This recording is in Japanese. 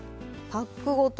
パックごと？